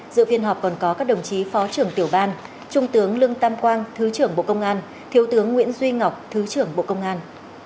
dự phiên họp còn có các đồng chí phó trưởng tiểu ban trung tướng lương tam quang thứ trưởng bộ công an thiếu tướng nguyễn duy ngọc thứ trưởng bộ công an